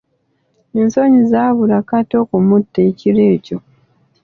Ensonyi zaabula kata okumutta ekiro ekyo.